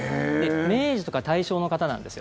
明治とか大正の方なんですよ。